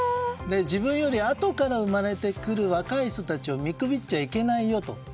自分よりあとから生まれてくる若い人たちを見くびっちゃいけないよと。